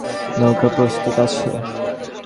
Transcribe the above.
নৌকা প্রস্তুত আছে।